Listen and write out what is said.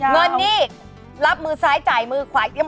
เงินนี่รับมือซ้ายจ่ายมือขวาเตรียม